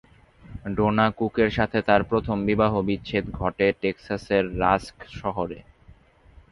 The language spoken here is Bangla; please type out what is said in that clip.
ডোনা কুকের সাথে তার প্রথম বিবাহ বিচ্ছেদ ঘটে টেক্সাসের রাস্ক শহরে।